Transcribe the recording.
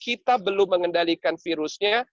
kita belum mengendalikan virusnya